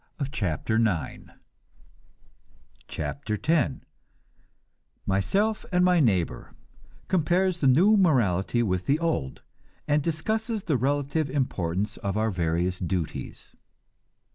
CHAPTER X MYSELF AND MY NEIGHBOR (Compares the new morality with the old, and discusses the relative importance of our various duties.)